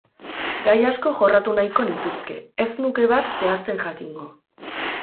Gai asko jorratu nahiko nituzke, ez nuke bat zehazten jakingo.